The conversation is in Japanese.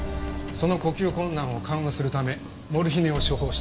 その呼吸困難を緩和するためモルヒネを処方しています。